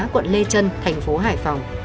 quận lê trân thành phố hải phòng